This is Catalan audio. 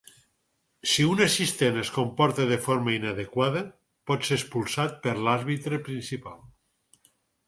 Si un assistent es comporta de forma inadequada, pot ser expulsat per l'àrbitre principal.